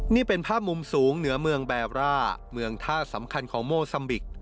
นี่เป็นภาพมุมสูงเหนือเมืองแบร่าเมืองท่าสำคัญของโมซัมบิก